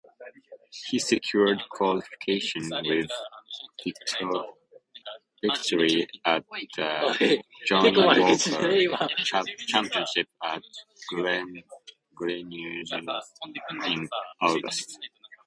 He secured qualification with victory at the Johnnie Walker Championship at Gleneagles in August.